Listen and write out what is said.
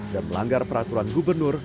dan melanggar peraturan gubernur